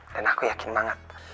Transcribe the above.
dan aku yakin banget